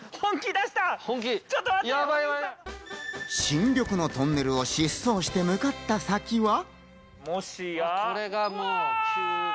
新緑のトンネルを疾走して向かった先は。